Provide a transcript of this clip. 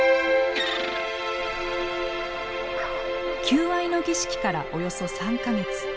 求愛の儀式からおよそ３か月。